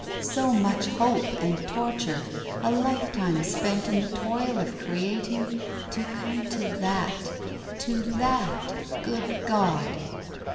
So much hope and torture, a lifetime spent in the toil of creating, to come to that, to that, good God!